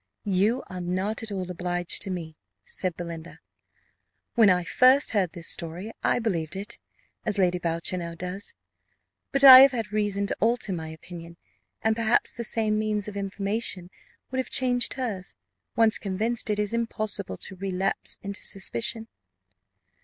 "You are not at all obliged to me," said Belinda. "When I first heard this story, I believed it, as Lady Boucher now does but I have had reason to alter my opinion, and perhaps the same means of information would have changed hers; once convinced, it is impossible to relapse into suspicion."